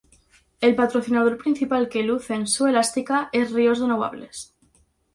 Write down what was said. El patrocinador principal que luce en su elástica es Ríos Renovables.